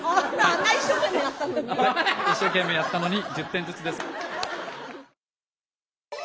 一生懸命やったのに１０点ずつです。